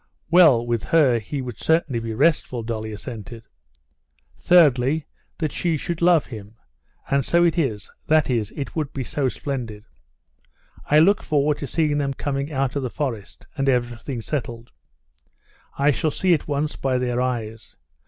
"Well, with her he would certainly be restful," Dolly assented. "Thirdly, that she should love him. And so it is ... that is, it would be so splendid!... I look forward to seeing them coming out of the forest—and everything settled. I shall see at once by their eyes.